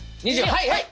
はいはい！